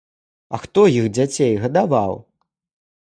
А хто іх дзяцей гадаваў?